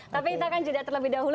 tapi kita akan jeda terlebih dahulu